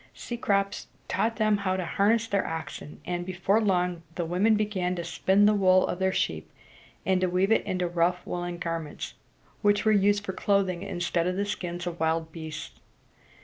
Cecrops taught them how to harness their oxen; and before long the women began to spin the wool of their sheep, and to weave it into rough woolen garments, which were used for clothing, instead of the skins of wild beasts.